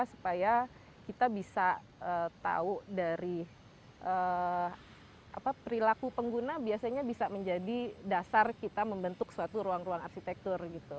supaya kita bisa tahu dari perilaku pengguna biasanya bisa menjadi dasar kita membentuk suatu ruang ruang arsitektur gitu